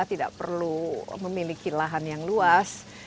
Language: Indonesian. tidak perlu memiliki lahan yang luas